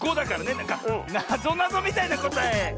なんかなぞなぞみたいなこたえ！